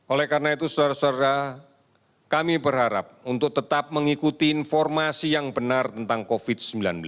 oleh karena itu saudara saudara kami berharap untuk tetap mengikuti informasi yang benar tentang covid sembilan belas